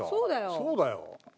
そうだよ。